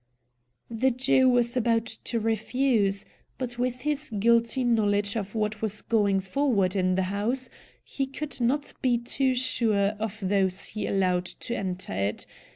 The Jew was about to refuse, but, with his guilty knowledge of what was going forward in the house, he could not be too sure of those he allowed to enter it.